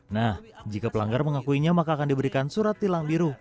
nah jika pelanggar mengakuinya maka akan diberikan surat tilang biru